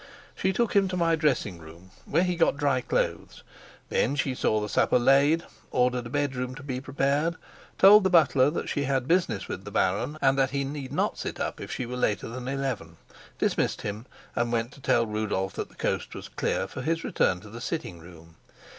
She took him to my dressing room, where he got dry clothes; then she saw the supper laid, ordered a bedroom to be prepared, told the butler that she had business with the baron and that he need not sit up if she were later than eleven, dismissed him, and went to tell Rudolf that the coast was clear for his return to the sitting room.